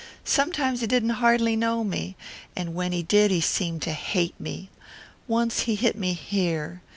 Sometimes he didn't har'ly know me, and when he did he seemed to hate me. Once he hit me here."